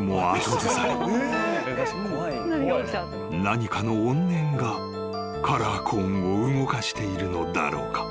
［何かの怨念がカラーコーンを動かしているのだろうか？］